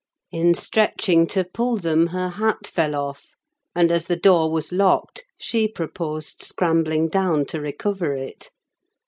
In stretching to pull them, her hat fell off; and as the door was locked, she proposed scrambling down to recover it.